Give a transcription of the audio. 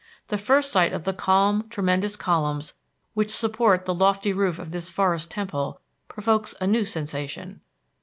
The first sight of the calm tremendous columns which support the lofty roof of this forest temple provokes a new sensation.